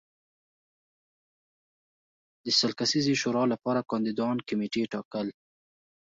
د سل کسیزې شورا لپاره کاندیدان کمېټې ټاکل